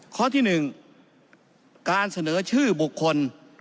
ข้อที่๑การเสนอชื่อบุคคล